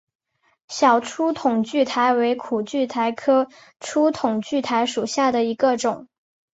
小粗筒苣苔为苦苣苔科粗筒苣苔属下的一个种。